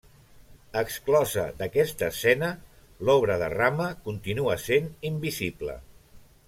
Exclosa d'aquesta escena, l'obra de Rama continua sent invisible.